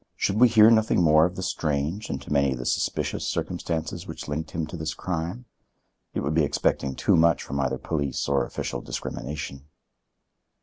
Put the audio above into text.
Should we hear nothing more of the strange and to many the suspicious circumstances which linked him to this crime? It would be expecting too much from either police or official discrimination.